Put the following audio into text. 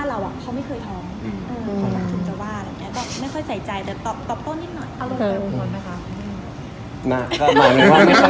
ไม่รู้ว่าเกี่ยวกับฮอร์โมนหรือเปล่าหรืออะไร